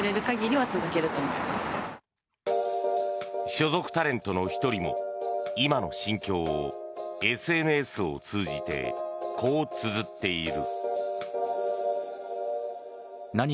所属タレントの１人も今の心境をＳＮＳを通じてこうつづっている。